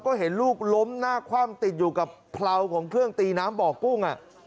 ก็เห็นลูกล้มหน้าคว่ำติดอยู่กับเพราของเครื่องตีน้ำบ่อกุ้ง